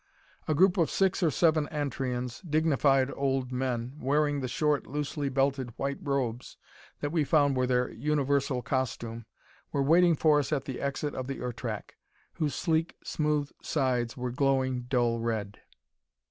A group of six or seven Antrians, dignified old men, wearing the short, loosely belted white robes that we found were their universal costume, were waiting for us at the exit of the Ertak, whose sleek, smooth sides were glowing dull red.